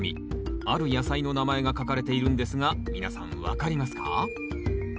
ある野菜の名前が書かれているんですが皆さん分かりますか？